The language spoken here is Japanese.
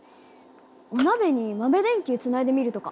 お鍋に豆電球つないでみるとか。